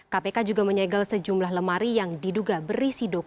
kpk juga menyegel sejumlah lemari yang diduga berisi dokumen